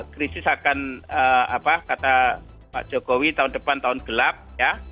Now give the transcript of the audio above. krisis akan apa kata pak jokowi tahun depan tahun gelap ya